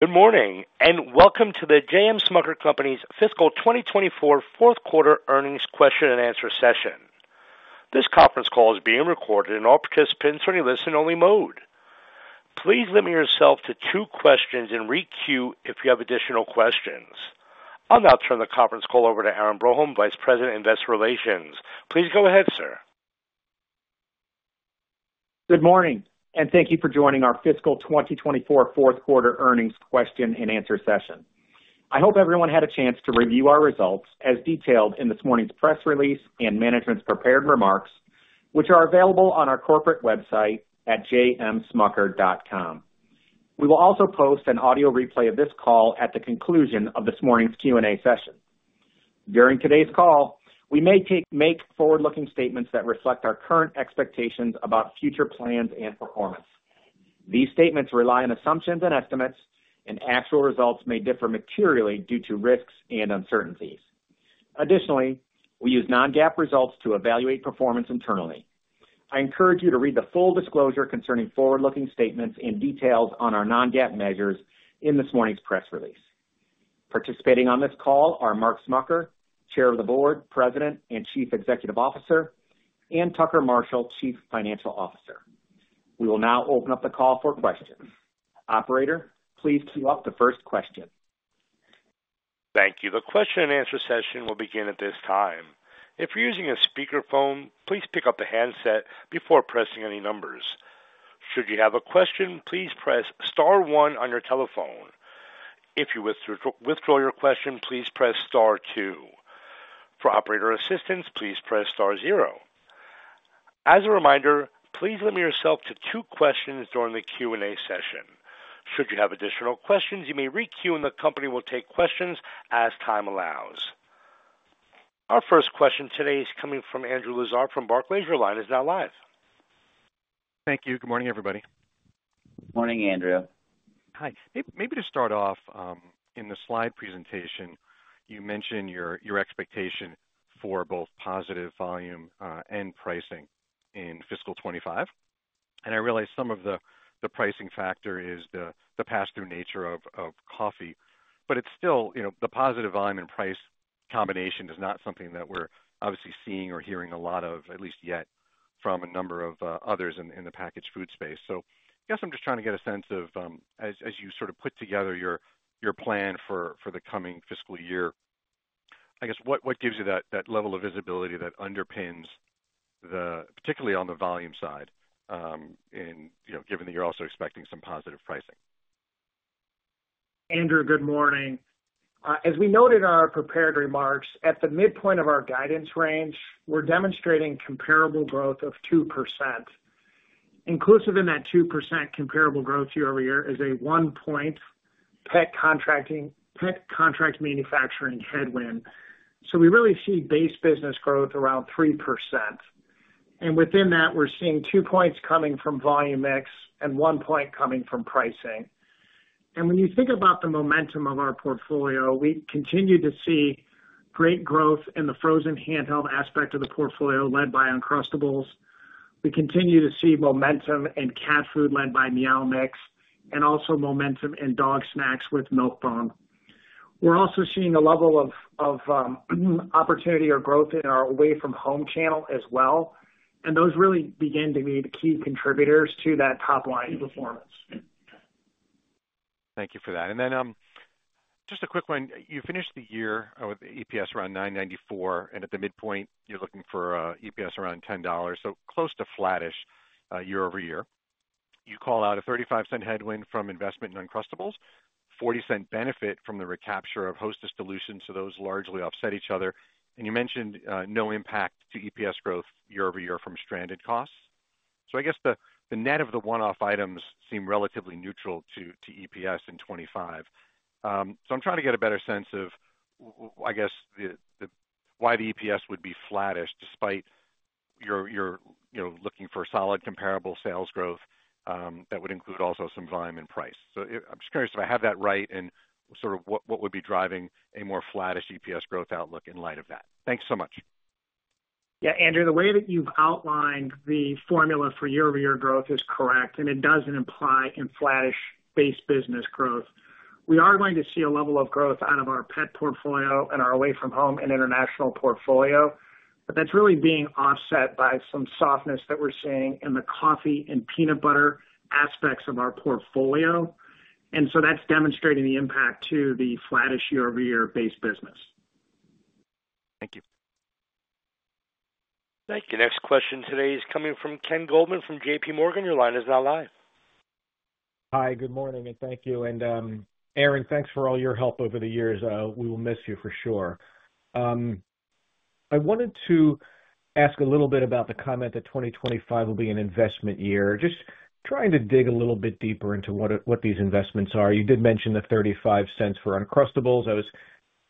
Good morning, and welcome to The J.M. Smucker Company's fiscal 2024 fourth quarter earnings question-and-answer session. This conference call is being recorded and all participants are in listen-only mode. Please limit yourself to two questions and re-queue if you have additional questions. I'll now turn the conference call over to Aaron Broholm, Vice President, Investor Relations. Please go ahead, sir. Good morning, and thank you for joining our fiscal 2024 fourth quarter earnings question-and-answer session. I hope everyone had a chance to review our results as detailed in this morning's press release and management's prepared remarks, which are available on our corporate website at smucker.com. We will also post an audio replay of this call at the conclusion of this morning's Q&A session. During today's call, we may make forward-looking statements that reflect our current expectations about future plans and performance. These statements rely on assumptions and estimates, and actual results may differ materially due to risks and uncertainties. Additionally, we use non-GAAP results to evaluate performance internally. I encourage you to read the full disclosure concerning forward-looking statements and details on our non-GAAP measures in this morning's press release. Participating on this call are Mark Smucker, Chair of the Board, President, and Chief Executive Officer, and Tucker Marshall, Chief Financial Officer. We will now open up the call for questions. Operator, please queue up the first question. Thank you. The question-and-answer session will begin at this time. If you're using a speakerphone, please pick up the handset before pressing any numbers. Should you have a question, please press star one on your telephone. If you withdraw your question, please press star two. For operator assistance, please press star zero. As a reminder, please limit yourself to two questions during the Q&A session. Should you have additional questions, you may re-queue, and the company will take questions as time allows. Our first question today is coming from Andrew Lazar from Barclays. Your line is now live. Thank you. Good morning, everybody. Morning, Andrew. Hi. Maybe to start off, in the slide presentation, you mentioned your expectation for both positive volume and pricing in fiscal 2025, and I realize some of the pricing factor is the pass-through nature of coffee. But it's still, you know, the positive volume and price combination is not something that we're obviously seeing or hearing a lot of, at least yet, from a number of others in the packaged food space. So I guess I'm just trying to get a sense of, as you sort of put together your plan for the coming fiscal year, I guess, what gives you that level of visibility that underpins the, particularly on the volume side, and, you know, given that you're also expecting some positive pricing? Andrew, good morning. As we noted in our prepared remarks, at the midpoint of our guidance range, we're demonstrating comparable growth of 2%. Inclusive in that 2% comparable growth year-over-year is a 1-point pet contract manufacturing headwind. So we really see base business growth around 3%, and within that, we're seeing 2 points coming from volume mix and 1 point coming from pricing. And when you think about the momentum of our portfolio, we continue to see great growth in the frozen handheld aspect of the portfolio, led by Uncrustables. We continue to see momentum in cat food led by Meow Mix, and also momentum in dog snacks with Milk-Bone. We're also seeing a level of opportunity or growth in our away from home channel as well, and those really begin to be the key contributors to that top-line performance. Thank you for that. Then, just a quick one: You finished the year with EPS around $9.94, and at the midpoint, you're looking for EPS around $10, so close to flattish year-over-year. You call out a $0.35 headwind from investment in Uncrustables, $0.40 benefit from the recapture of Hostess dilution, so those largely offset each other. And you mentioned no impact to EPS growth year-over-year from stranded costs. So I guess the net of the one-off items seem relatively neutral to EPS in 2025. So I'm trying to get a better sense of, I guess, the why the EPS would be flattish despite your, you know, looking for solid comparable sales growth that would include also some volume and price. I'm just curious if I have that right and sort of what would be driving a more flattish EPS growth outlook in light of that? Thanks so much. Yeah, Andrew, the way that you've outlined the formula for year-over-year growth is correct, and it does imply a flattish base business growth. We are going to see a level of growth out of our pet portfolio and our Away From Home and international portfolio, but that's really being offset by some softness that we're seeing in the coffee and peanut butter aspects of our portfolio, and so that's demonstrating the impact to the flattish year-over-year base business. Thank you. Thank you. Next question today is coming from Ken Goldman from JPMorgan. Your line is now live. Hi, good morning, and thank you. Aaron, thanks for all your help over the years. We will miss you for sure. I wanted to ask a little bit about the comment that 2025 will be an investment year. Just trying to dig a little bit deeper into what these investments are. You did mention the $0.35 for Uncrustables. I was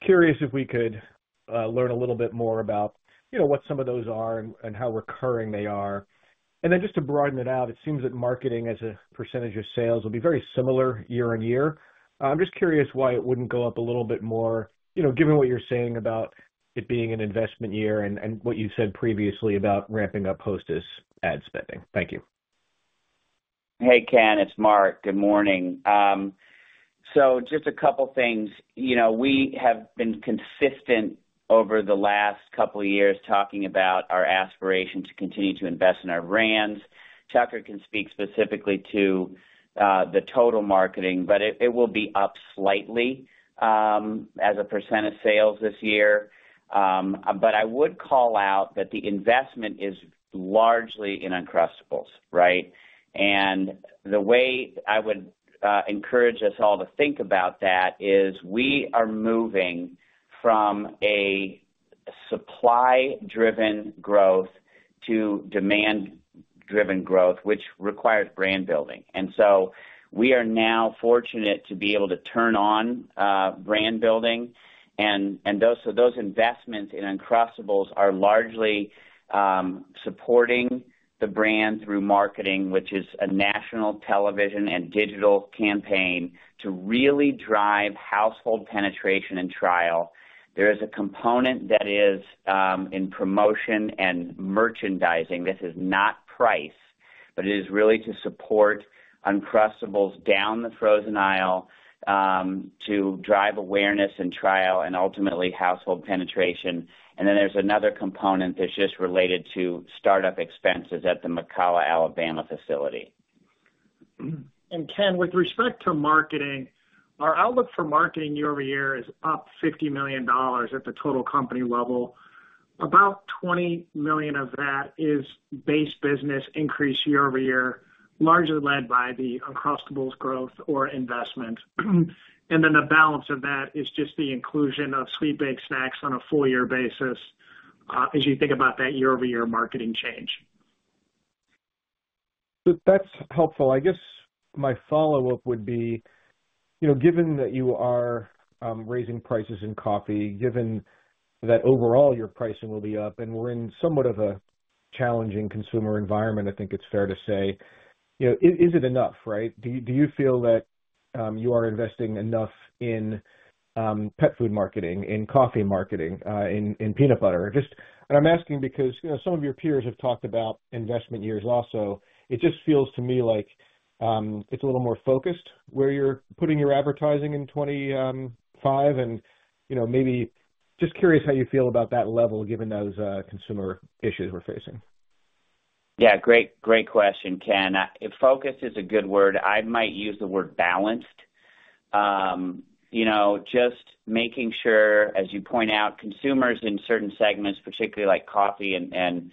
curious if we could learn a little bit more about, you know, what some of those are and how recurring they are. And then just to broaden it out, it seems that marketing as a percentage of sales will be very similar year-over-year. I'm just curious why it wouldn't go up a little bit more, you know, given what you're saying about it being an investment year and what you said previously about ramping up Hostess ad spending. Thank you. Hey, Ken, it's Mark. Good morning. So just a couple things. You know, we have been consistent over the last couple of years talking about our aspiration to continue to invest in our brands. Tucker can speak specifically to the total marketing, but it will be up slightly as a percent of sales this year. But I would call out that the investment is largely in Uncrustables, right? And the way I would encourage us all to think about that is we are moving from a supply-driven growth to demand-driven growth, which requires brand building. And so we are now fortunate to be able to turn on brand building, and those investments in Uncrustables are largely supporting the brand through marketing, which is a national television and digital campaign to really drive household penetration and trial. There is a component that is in promotion and merchandising. This is not price, but it is really to support Uncrustables down the frozen aisle, to drive awareness and trial and ultimately household penetration. And then there's another component that's just related to start-up expenses at the McCalla, Alabama facility. Ken, with respect to marketing, our outlook for marketing year-over-year is up $50 million at the total company level. About $20 million of that is base business increase year-over-year, largely led by the Uncrustables growth or investment. Then the balance of that is just the inclusion of sweet baked snacks on a full year basis, as you think about that year-over-year marketing change. That's helpful. I guess my follow-up would be, you know, given that you are raising prices in coffee, given that overall your pricing will be up, and we're in somewhat of a challenging consumer environment, I think it's fair to say, you know, is it enough, right? Do you feel that you are investing enough in pet food marketing, in coffee marketing, in peanut butter? Just... And I'm asking because, you know, some of your peers have talked about investment years also. It just feels to me like it's a little more focused where you're putting your advertising in 2025. And, you know, maybe just curious how you feel about that level, given those consumer issues we're facing. Yeah, great, great question, Ken. Focus is a good word. I might use the word balanced. You know, just making sure, as you point out, consumers in certain segments, particularly like coffee and, and,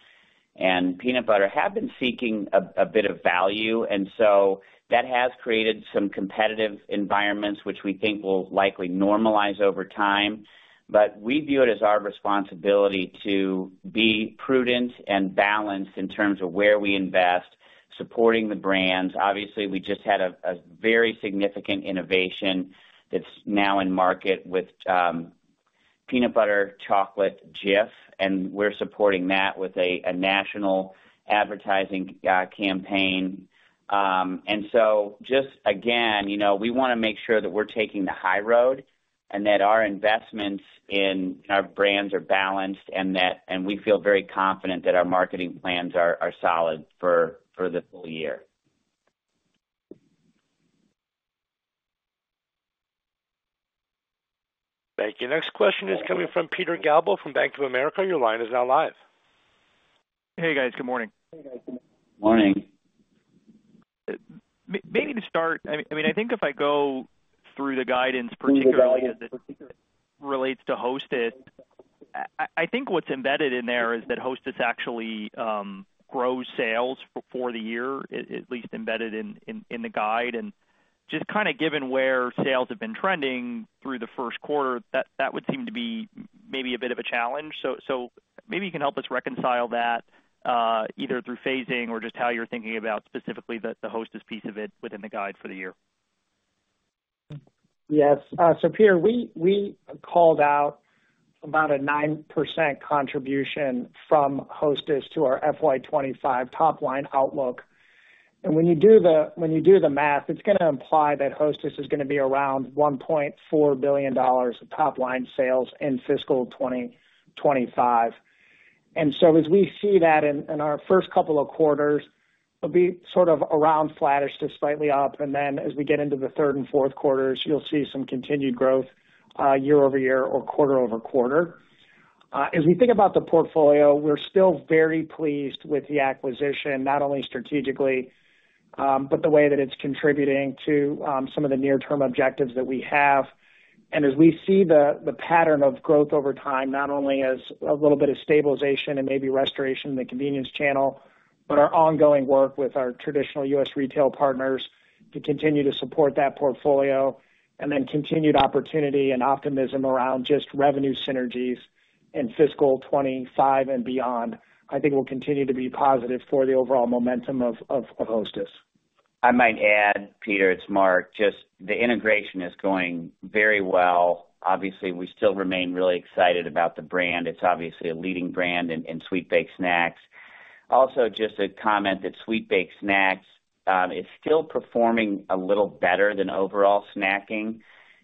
and peanut butter, have been seeking a, a bit of value, and so that has created some competitive environments, which we think will likely normalize over time. But we view it as our responsibility to be prudent and balanced in terms of where we invest, supporting the brands. Obviously, we just had a, a very significant innovation that's now in market with Peanut Butter Chocolate Jif, and we're supporting that with a, a national advertising campaign. And so just again, you know, we want to make sure that we're taking the high road and that our investments in our brands are balanced and that – and we feel very confident that our marketing plans are solid for the full year. Thank you. Next question is coming from Peter Galbo from Bank of America. Your line is now live. Hey, guys, good morning. Morning. Maybe to start, I mean, I think if I go through the guidance, particularly as it relates to Hostess, I think what's embedded in there is that Hostess actually grows sales for the year, at least embedded in the guide. And just kind of given where sales have been trending through the first quarter, that would seem to be maybe a bit of a challenge. So maybe you can help us reconcile that, either through phasing or just how you're thinking about specifically the Hostess piece of it within the guide for the year. Yes. So Peter, we called out about a 9% contribution from Hostess to our FY 2025 top-line outlook. And when you do the math, it's gonna imply that Hostess is gonna be around $1.4 billion of top-line sales in fiscal 2025. And so as we see that in our first couple of quarters, it'll be sort of around flattish to slightly up, and then as we get into the third and fourth quarters, you'll see some continued growth year-over-year or quarter-over-quarter. As we think about the portfolio, we're still very pleased with the acquisition, not only strategically, but the way that it's contributing to some of the near-term objectives that we have. As we see the pattern of growth over time, not only a little bit of stabilization and maybe restoration in the convenience channel, but our ongoing work with our traditional U.S. retail partners to continue to support that portfolio, and then continued opportunity and optimism around just revenue synergies in fiscal 2025 and beyond, I think will continue to be positive for the overall momentum of Hostess. I might add, Peter, it's Mark. Just the integration is going very well. Obviously, we still remain really excited about the brand. It's obviously a leading brand in sweet baked snacks. Also, just to comment that sweet baked snacks is still performing a little better than overall snacking.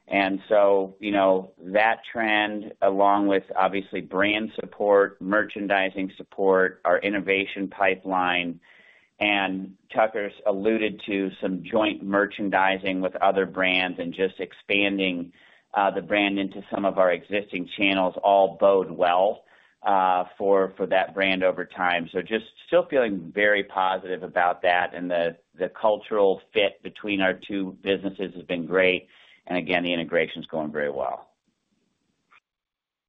And so, you know, that trend, along with obviously brand support, merchandising support, our innovation pipeline and Tucker's alluded to some joint merchandising with other brands and just expanding the brand into some of our existing channels all bode well for that brand over time. So just still feeling very positive about that, and the cultural fit between our two businesses has been great. And again, the integration is going very well.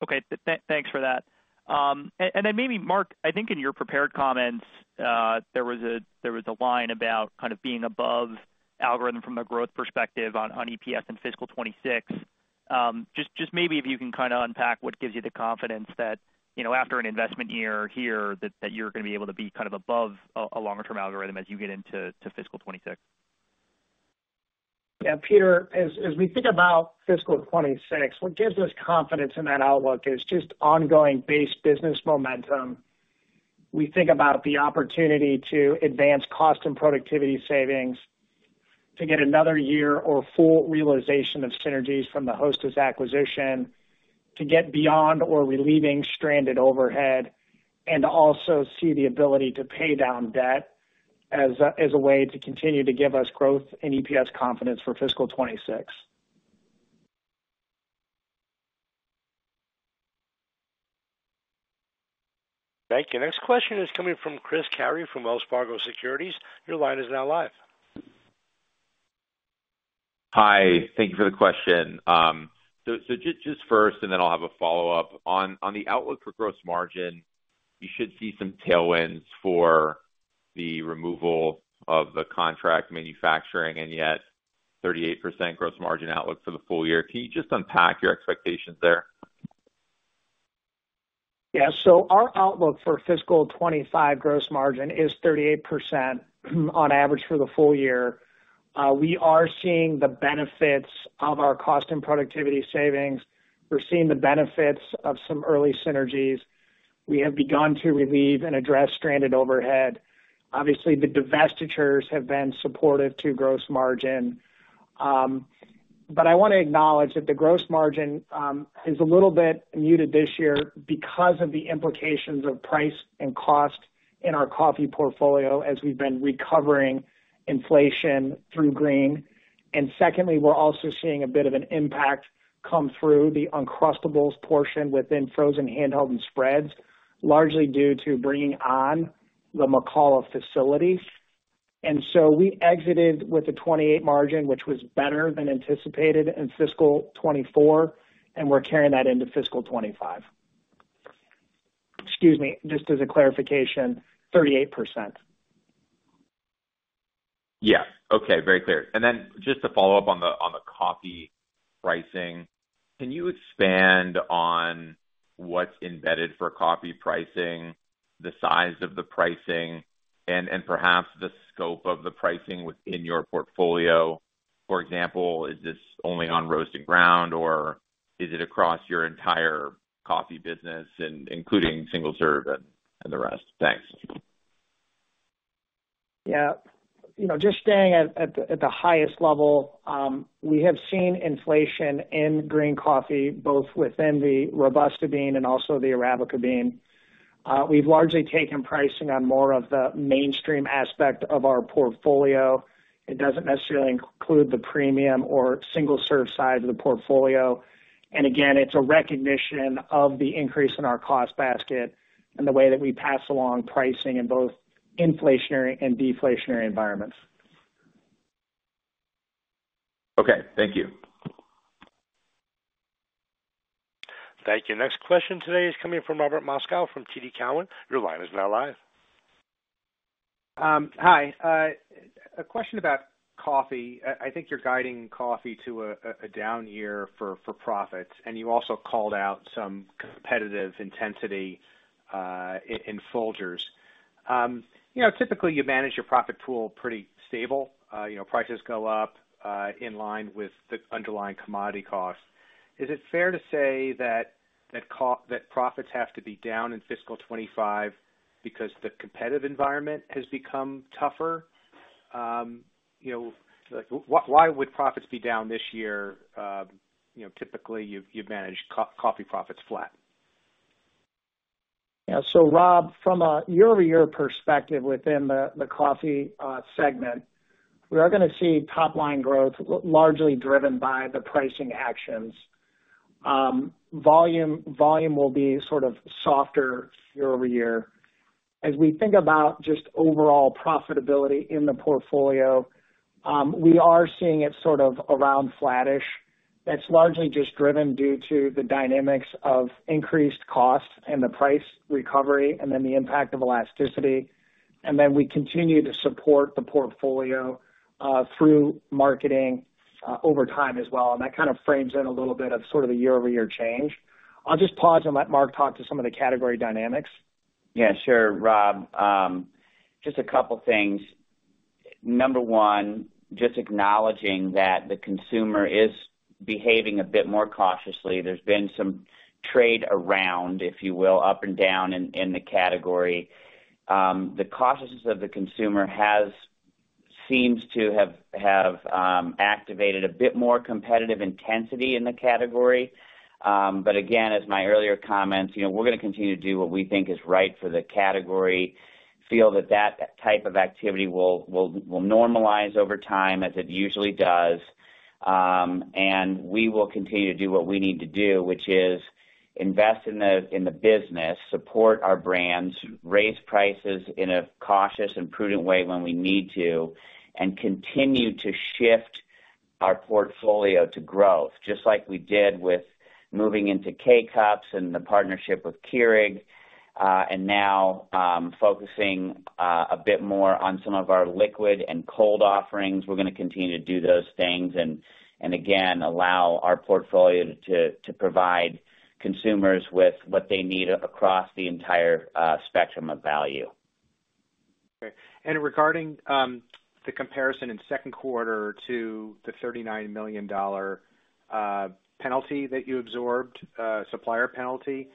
Okay, thanks for that. And then maybe, Mark, I think in your prepared comments, there was a line about kind of being above algorithm from a growth perspective on EPS in fiscal 2026. Just maybe if you can kind of unpack what gives you the confidence that, you know, after an investment year here, that you're gonna be able to be kind of above a longer term algorithm as you get into fiscal 2026. Yeah, Peter, as we think about fiscal 2026, what gives us confidence in that outlook is just ongoing base business momentum. We think about the opportunity to advance cost and productivity savings, to get another year or full realization of synergies from the Hostess acquisition, to get beyond or relieving stranded overhead, and also see the ability to pay down debt as a way to continue to give us growth and EPS confidence for fiscal 2026. Thank you. Next question is coming from Chris Carey from Wells Fargo Securities. Your line is now live. Hi, thank you for the question. So just first, and then I'll have a follow-up. On the outlook for gross margin, you should see some tailwinds for the removal of the contract manufacturing, and yet 38% gross margin outlook for the full year. Can you just unpack your expectations there? Yeah. So our outlook for fiscal 2025 gross margin is 38% on average for the full year. We are seeing the benefits of our cost and productivity savings. We're seeing the benefits of some early synergies. We have begun to relieve and address stranded overhead. Obviously, the divestitures have been supportive to gross margin. But I wanna acknowledge that the gross margin is a little bit muted this year because of the implications of price and cost in our coffee portfolio as we've been recovering inflation through green. And secondly, we're also seeing a bit of an impact come through the Uncrustables portion within frozen handheld and spreads, largely due to bringing on the McCalla facilities. And so we exited with a 28% margin, which was better than anticipated in fiscal 2024, and we're carrying that into fiscal 2025. Excuse me, just as a clarification, 38%. Yeah. Okay, very clear. And then just to follow up on the, on the coffee pricing, can you expand on what's embedded for coffee pricing, the size of the pricing and, and perhaps the scope of the pricing within your portfolio? For example, is this only on roast and ground, or is it across your entire coffee business, and including single serve and, and the rest? Thanks. Yeah. You know, just staying at the highest level, we have seen inflation in green coffee, both within the Robusta bean and also the Arabica bean. We've largely taken pricing on more of the mainstream aspect of our portfolio. It doesn't necessarily include the premium or single-serve side of the portfolio. And again, it's a recognition of the increase in our cost basket and the way that we pass along pricing in both inflationary and deflationary environments. Okay, thank you. Thank you. Next question today is coming from Robert Moskow from TD Cowen. Your line is now live. Hi. A question about coffee. I think you're guiding coffee to a down year for profits, and you also called out some competitive intensity in Folgers. You know, typically, you manage your profit pool pretty stable. You know, prices go up in line with the underlying commodity costs. Is it fair to say that profits have to be down in fiscal 2025 because the competitive environment has become tougher? You know, like, why would profits be down this year? You know, typically, you manage coffee profits flat? Yeah. So, Rob, from a year-over-year perspective within the coffee segment, we are gonna see top-line growth largely driven by the pricing actions. Volume will be sort of softer year-over-year. As we think about just overall profitability in the portfolio, we are seeing it sort of around flattish. That's largely just driven due to the dynamics of increased costs and the price recovery and then the impact of elasticity. And then we continue to support the portfolio through marketing over time as well, and that kind of frames in a little bit of sort of the year-over-year change. I'll just pause and let Mark talk to some of the category dynamics. Yeah, sure, Rob. Just a couple things. Number one, just acknowledging that the consumer is behaving a bit more cautiously. There's been some trade around, if you will, up and down in the category. The cautiousness of the consumer seems to have activated a bit more competitive intensity in the category. But again, as my earlier comments, you know, we're gonna continue to do what we think is right for the category. Feel that that type of activity will normalize over time, as it usually does. And we will continue to do what we need to do, which is invest in the business, support our brands, raise prices in a cautious and prudent way when we need to, and continue to shift our portfolio to growth, just like we did with moving into K-Cups and the partnership with Keurig, and now focusing a bit more on some of our liquid and cold offerings. We're gonna continue to do those things and again allow our portfolio to provide consumers with what they need across the entire spectrum of value. Okay. Regarding the comparison in second quarter to the $39 million penalty that you absorbed, supplier penalty,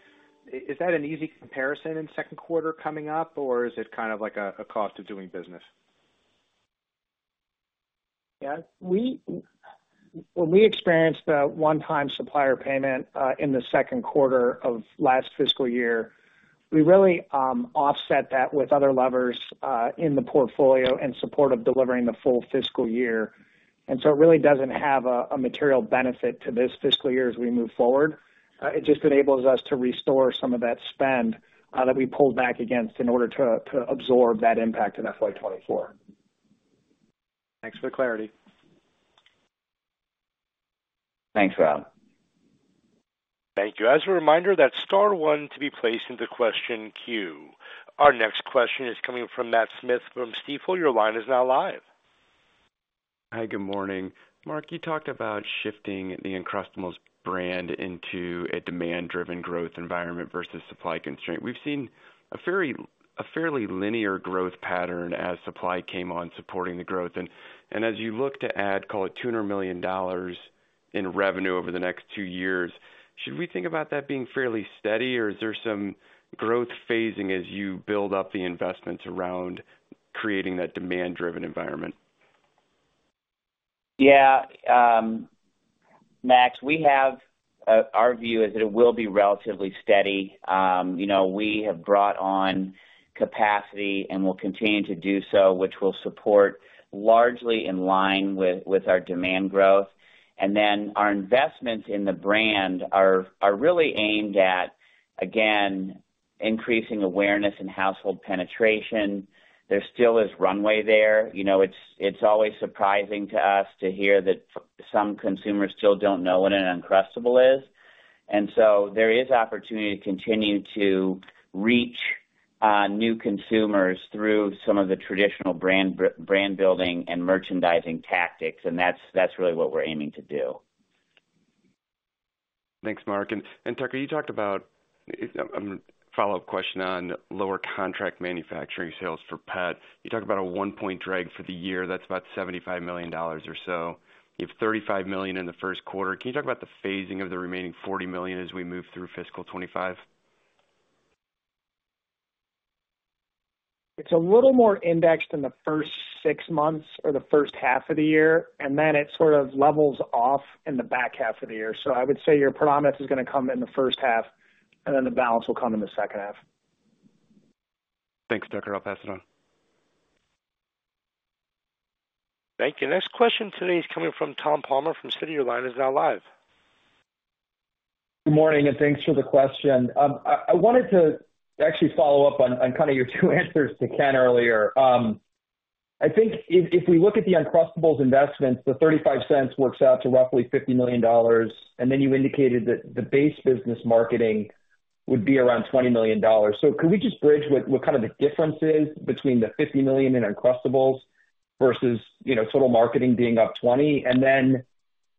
is that an easy comparison in second quarter coming up, or is it kind of like a cost of doing business? Yeah, when we experienced the one-time supplier payment in the second quarter of last fiscal year, we really offset that with other levers in the portfolio in support of delivering the full fiscal year. And so it really doesn't have a material benefit to this fiscal year as we move forward. It just enables us to restore some of that spend that we pulled back against in order to absorb that impact in FY 2024. Thanks for the clarity. Thanks, Rob. Thank you. As a reminder, that's star one to be placed into question queue. Our next question is coming from Matt Smith from Stifel. Your line is now live. Hi, good morning. Mark, you talked about shifting the Uncrustables brand into a demand-driven growth environment versus supply constraint. We've seen a fairly linear growth pattern as supply came on supporting the growth, and as you look to add, call it $200 million in revenue over the next two years, should we think about that being fairly steady, or is there some growth phasing as you build up the investments around creating that demand-driven environment? Yeah, Max, we have our view is that it will be relatively steady. You know, we have brought on capacity and will continue to do so, which will support largely in line with our demand growth. And then our investments in the brand are really aimed at, again, increasing awareness and household penetration. There still is runway there. You know, it's always surprising to us to hear that some consumers still don't know what an Uncrustable is. And so there is opportunity to continue to reach new consumers through some of the traditional brand building and merchandising tactics, and that's really what we're aiming to do. Thanks, Mark. And, Tucker, you talked about... a follow-up question on lower contract manufacturing sales for pet. You talked about a 1-point drag for the year. That's about $75 million or so. You have $35 million in the first quarter. Can you talk about the phasing of the remaining $40 million as we move through fiscal 2025? It's a little more indexed in the first six months or the first half of the year, and then it sort of levels off in the back half of the year. So I would say your predominance is gonna come in the first half, and then the balance will come in the second half. Thanks, Tucker. I'll pass it on. Thank you. Next question today is coming from Tom Palmer from Citi. Line is now live. Good morning, and thanks for the question. I wanted to actually follow up on kind of your two answers to Ken earlier. I think if we look at the Uncrustables investments, the $0.35 works out to roughly $50 million, and then you indicated that the base business marketing would be around $20 million. So could we just bridge what kind of the difference is between the $50 million in Uncrustables versus, you know, total marketing being up $20 million? And then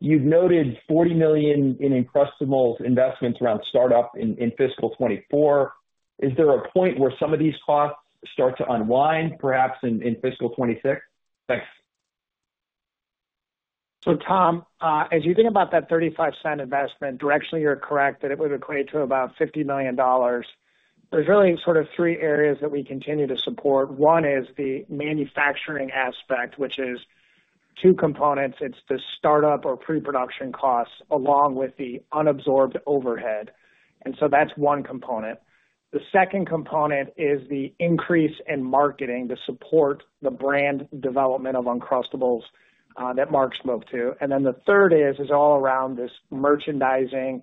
you've noted $40 million in Uncrustables investments around startup in fiscal 2024. Is there a point where some of these costs start to unwind, perhaps in fiscal 2026? Thanks. So, Tom, as you think about that 35-cent investment, directionally, you're correct that it would equate to about $50 million. There's really sort of three areas that we continue to support. One is the manufacturing aspect, which is two components. It's the startup or pre-production costs, along with the unabsorbed overhead, and so that's one component. The second component is the increase in marketing to support the brand development of Uncrustables, that Mark spoke to. And then the third is all around this merchandising,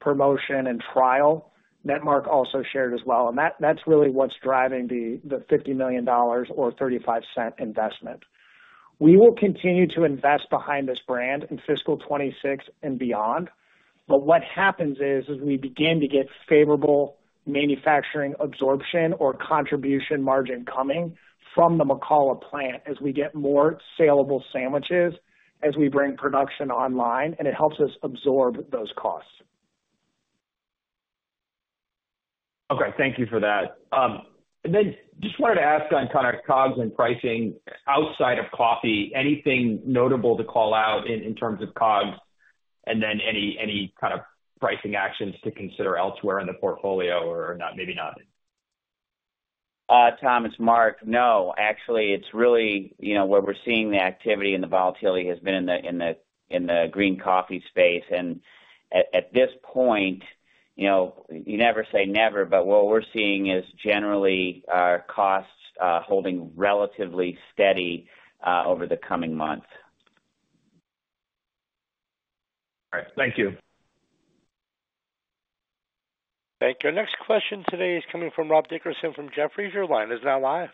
promotion, and trial that Mark also shared as well. And that, that's really what's driving the $50 million or 35-cent investment. We will continue to invest behind this brand in fiscal 26 and beyond, but what happens is, as we begin to get favorable manufacturing absorption or contribution margin coming from the McCalla plant, as we get more saleable sandwiches, as we bring production online, and it helps us absorb those costs. Okay, thank you for that. And then just wanted to ask on kind of COGS and pricing outside of coffee, anything notable to call out in terms of COGS? And then any kind of pricing actions to consider elsewhere in the portfolio or not? Maybe not. Tom, it's Mark. No, actually, it's really, you know, where we're seeing the activity and the volatility has been in the green coffee space. And at this point, you know, you never say never, but what we're seeing is generally our costs holding relatively steady over the coming months. All right. Thank you. Thank you. Next question today is coming from Rob Dickerson from Jefferies. Your line is now live.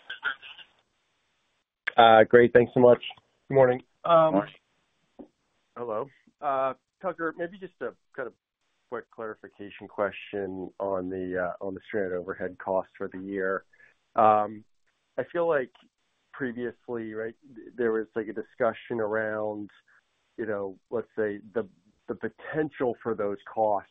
Great. Thanks so much. Good morning. Morning. Hello. Tucker, maybe just a kind of quick clarification question on the stranded overhead cost for the year. I feel like previously, right, there was, like, a discussion around, you know, let's say, the potential for those costs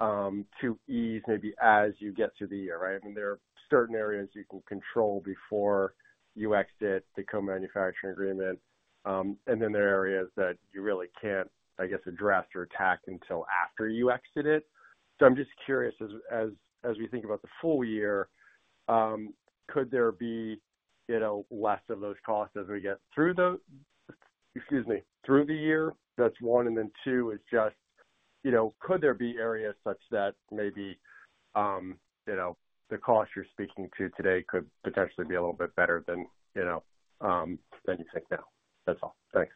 to ease maybe as you get through the year, right? I mean, there are certain areas you can control before you exit the co-manufacturing agreement, and then there are areas that you really can't, I guess, address or attack until after you exit it. So I'm just curious, as we think about the full year, could there be, you know, less of those costs as we get through the year? That's one, and then two is just, you know, could there be areas such that maybe, you know, the costs you're speaking to today could potentially be a little bit better than, you know, than you think now? That's all. Thanks.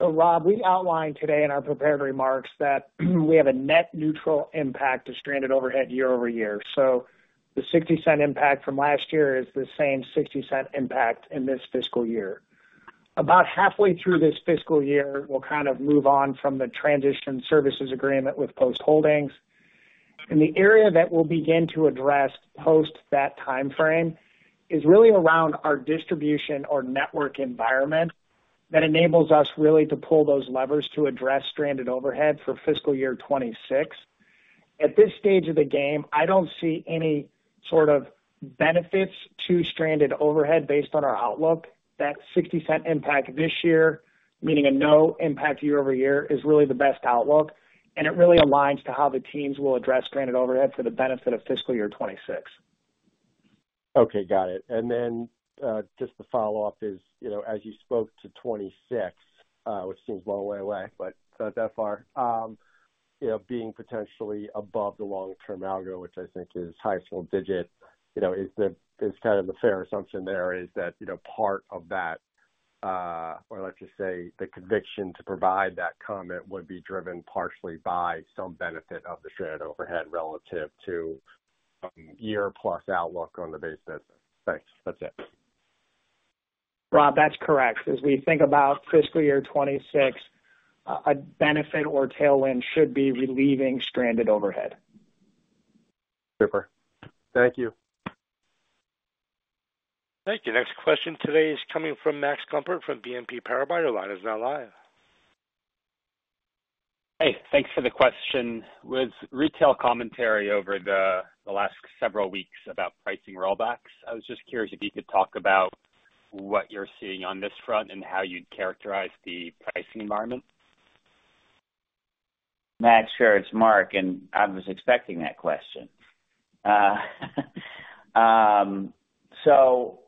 So Rob, we outlined today in our prepared remarks that we have a net neutral impact of stranded overhead year-over-year. So the $0.60 impact from last year is the same $0.60 impact in this fiscal year. About halfway through this fiscal year, we'll kind of move on from the transition services agreement with Post Holdings. And the area that we'll begin to address post that timeframe is really around our distribution or network environment that enables us really to pull those levers to address stranded overhead for fiscal year 2026. At this stage of the game, I don't see any sort of benefits to stranded overhead based on our outlook. That $0.60 impact this year, meaning a no-impact year-over-year, is really the best outlook, and it really aligns to how the teams will address stranded overhead for the benefit of fiscal year 2026. Okay, got it. And then, just to follow up is, you know, as you spoke to 2026, which seems a long way away, but not that far, you know, being potentially above the long-term algo, which I think is high single digit, you know, is the-- is kind of a fair assumption there, is that, you know, part of that, or let's just say, the conviction to provide that comment would be driven partially by some benefit of the stranded overhead relative to, year-plus outlook on the base business. Thanks. That's it. Rob, that's correct. As we think about fiscal year 2026, a benefit or tailwind should be relieving stranded overhead. Super. Thank you. Thank you. Next question today is coming from Max Gumport from BNP Paribas. Your line is now live. Hey, thanks for the question. With retail commentary over the last several weeks about pricing rollbacks, I was just curious if you could talk about what you're seeing on this front and how you'd characterize the pricing environment. Max, sure, it's Mark, and I was expecting that question. So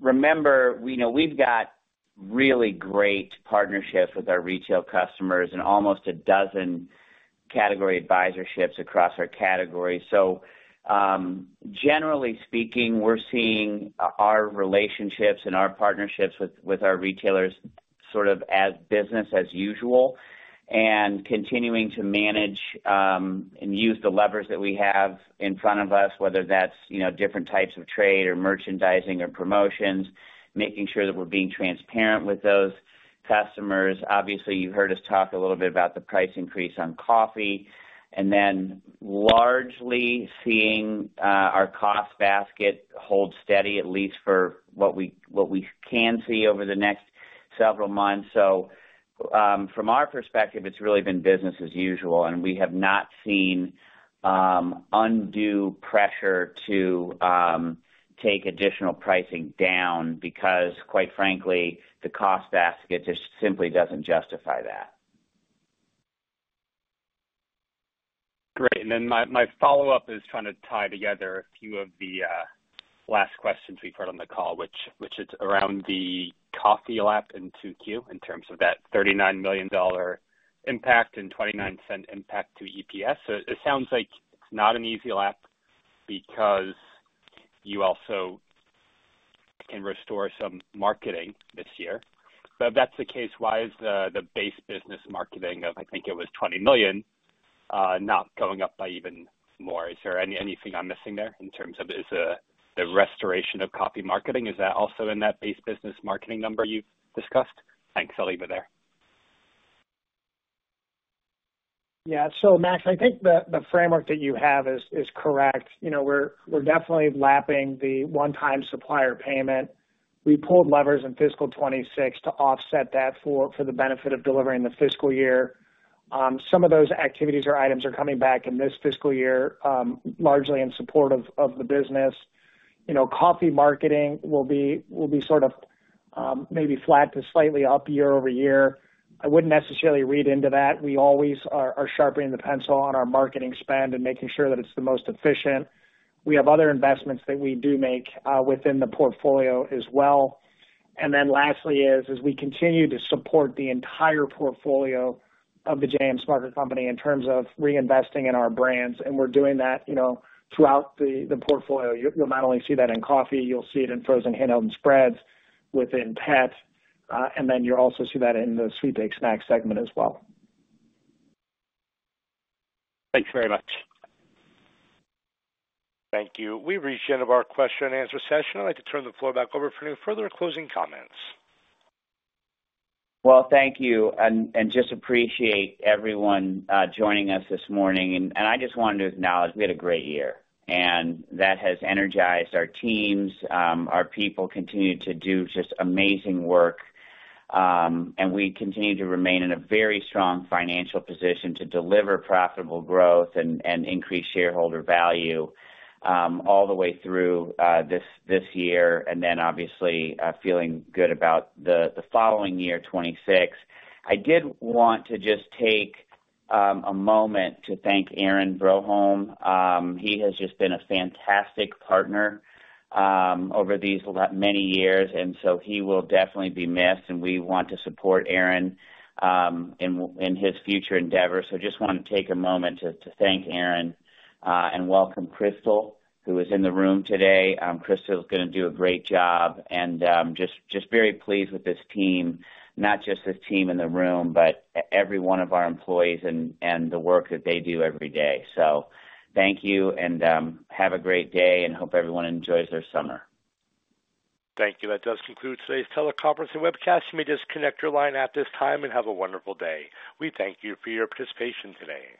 remember, we know we've got really great partnerships with our retail customers and almost a dozen category advisorships across our category. So, generally speaking, we're seeing our relationships and our partnerships with our retailers sort of as business as usual and continuing to manage and use the levers that we have in front of us, whether that's, you know, different types of trade or merchandising or promotions, making sure that we're being transparent with those customers. Obviously, you've heard us talk a little bit about the price increase on coffee, and then largely seeing our cost basket hold steady, at least for what we can see over the next several months. So, from our perspective, it's really been business as usual, and we have not seen undue pressure to take additional pricing down because, quite frankly, the cost basket just simply doesn't justify that. Great. And then my, my follow-up is trying to tie together a few of the last questions we've heard on the call, which, which is around the coffee lap in 2Q, in terms of that $39 million impact and $0.29 impact to EPS. So it sounds like it's not an easy lap because you also can restore some marketing this year. But if that's the case, why is the, the base business marketing of, I think it was $20 million, not going up by even more? Is there anything I'm missing there in terms of is, the restoration of coffee marketing, is that also in that base business marketing number you've discussed? Thanks. I'll leave it there. Yeah. So, Max, I think the framework that you have is correct. You know, we're definitely lapping the one-time supplier payment. We pulled levers in fiscal 2026 to offset that for the benefit of delivering the fiscal year. Some of those activities or items are coming back in this fiscal year, largely in support of the business. You know, coffee marketing will be sort of maybe flat to slightly up year-over-year. I wouldn't necessarily read into that. We always are sharpening the pencil on our marketing spend and making sure that it's the most efficient. We have other investments that we do make within the portfolio as well. And then lastly, as we continue to support the entire portfolio of the J.M. Smucker Company in terms of reinvesting in our brands, and we're doing that, you know, throughout the portfolio. You'll not only see that in coffee, you'll see it in frozen handheld and spreads within pet, and then you'll also see that in the sweet baked snack segment as well. Thanks very much. Thank you. We've reached the end of our question-and-answer session. I'd like to turn the floor back over for any further closing comments. Well, thank you, and just appreciate everyone joining us this morning. I just wanted to acknowledge we had a great year, and that has energized our teams. Our people continue to do just amazing work, and we continue to remain in a very strong financial position to deliver profitable growth and increase shareholder value all the way through this year, and then obviously feeling good about the following year, 2026. I did want to just take a moment to thank Aaron Broholm. He has just been a fantastic partner over these many years, and so he will definitely be missed, and we want to support Aaron in his future endeavors. Just want to take a moment to thank Aaron and welcome Crystal, who is in the room today. Crystal is gonna do a great job, and just very pleased with this team. Not just this team in the room, but every one of our employees and the work that they do every day. So thank you, and have a great day, and hope everyone enjoys their summer. Thank you. That does conclude today's teleconference and webcast. You may disconnect your line at this time, and have a wonderful day. We thank you for your participation today.